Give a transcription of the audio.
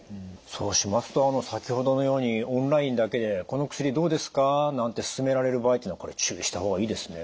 そうしますと先ほどのようにオンラインだけで「この薬どうですか？」なんて勧められる場合っていうのは注意した方がいいですね。